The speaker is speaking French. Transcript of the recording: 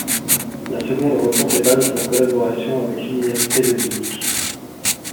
La seconde reprend ses bases en collaboration avec l'Université de Munich.